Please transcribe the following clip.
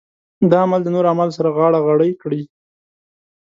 دا عمل د نورو اعمالو سره غاړه غړۍ کړي.